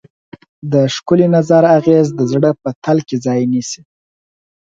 د ښکلي نظر اغېز د زړه په تل کې ځای نیسي.